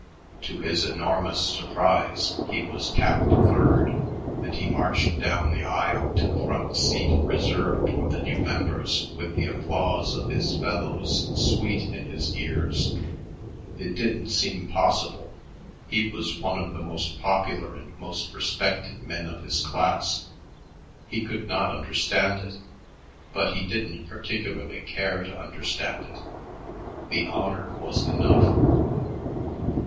To his enormous surprise he was tapped third, and he marched down the aisle to the front seat reserved for the new members with the applause of his fellows sweet in his ears. It didn't seem possible; he was one of the most popular and most respected men in his class. He could not understand it, but he didn't particularly care to understand it; the honor was enough.